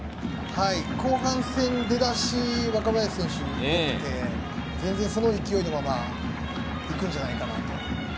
後半戦出だし若林選手良くて、その勢いのまま行くんじゃないかなと。